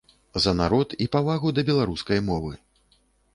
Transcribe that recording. За народ і павагу да беларускай мовы.